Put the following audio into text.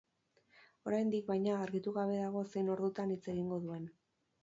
Oraindik, baina, argitu gabe dago zein ordutan hitz egingo duen.